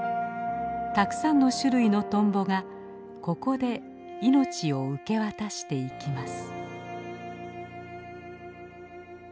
たくさんの種類のトンボがここで命を受け渡していきます。